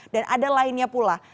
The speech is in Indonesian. dan ada lainnya pula